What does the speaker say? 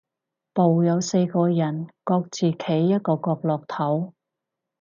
部有四個人，各自企一個角落頭